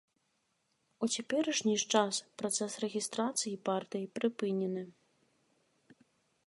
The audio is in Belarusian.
У цяперашні ж час працэс рэгістрацыі партыі прыпынены.